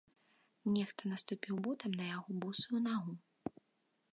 Нехта наступіў ботам на яго босую нагу.